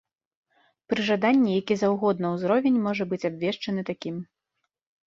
Пры жаданні які заўгодна ўзровень можа быць абвешчаны такім.